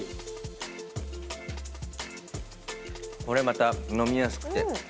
これまた飲みやすくて。